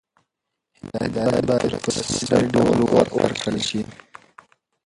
هدایت باید په رسمي ډول ورکړل شي.